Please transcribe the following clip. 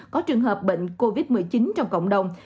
có trường hợp bệnh covid một mươi chín trong cộng đồng